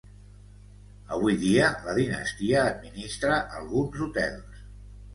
Avui dia la dinastia administra alguns hotels.